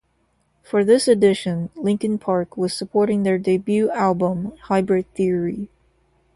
For this edition, Linkin Park was supporting their debut album, "Hybrid Theory".